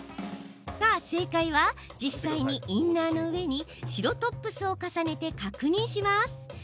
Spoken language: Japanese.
正解は、実際にインナーの上に白トップスを重ねて確認します。